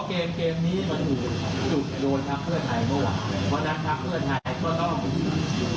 เพราะเกมนี้มันถูกโดนพักเพื่อไทยเมื่อไหร่